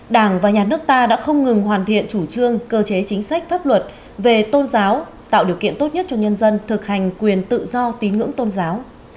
đảng và nhà nước ta đã không ngừng hoàn thiện chủ trương cơ chế chính sách pháp luật về tôn giáo tạo điều kiện tốt nhất cho nhân dân thực hành quyền tự do tín ngưỡng tôn giáo